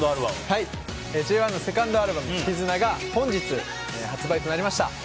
ＪＯ１のセカンドアルバム「ＫＩＺＵＮＡ」が本日発売となりました。